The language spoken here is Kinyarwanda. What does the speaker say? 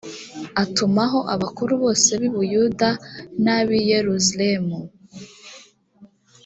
atumaho abakuru bose b i buyuda n ab i yeruslemu